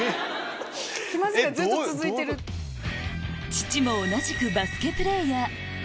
父も同じくバスケプレーヤー